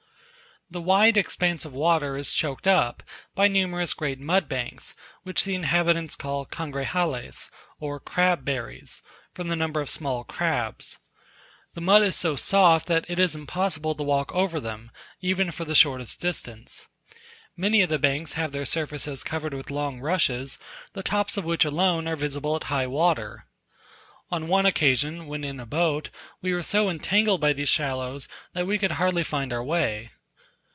The wide expanse of water is choked up by numerous great mud banks, which the inhabitants call Cangrejales, or crabberies, from the number of small crabs. The mud is so soft that it is impossible to walk over them, even for the shortest distance. Many of the banks have their surfaces covered with long rushes, the tops of which alone are visible at high water. On one occasion, when in a boat, we were so entangled by these shallows that we could hardly find our way.